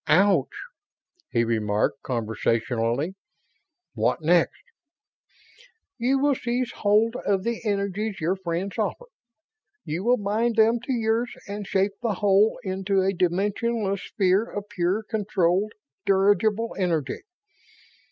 "Ouch," he remarked, conversationally. "What next?" "You will seize hold of the energies your friends offer. You will bind them to yours and shape the whole into a dimensionless sphere of pure controlled, dirigible energy.